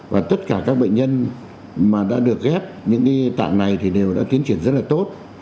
và tất cả các bệnh nhân mà đã được ghép những tạng này thì đều đã tiến triển rất là tốt